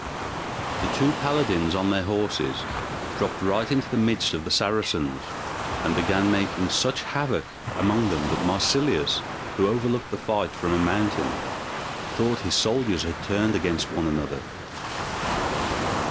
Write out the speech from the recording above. The two paladins on their horses dropped right into the midst of the Saracens, and began making such havoc among them that Marsilius, who overlooked the fight from a mountain, thought his soldiers had turned against one another.